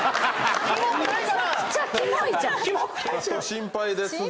心配ですが。